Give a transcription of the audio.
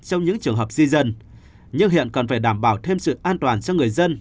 trong những trường hợp di dân nhưng hiện còn phải đảm bảo thêm sự an toàn cho người dân